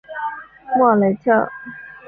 莫雷特。